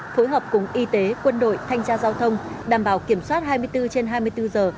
phối hợp cùng y tế quân đội thanh tra giao thông đảm bảo kiểm soát hai mươi bốn trên hai mươi bốn giờ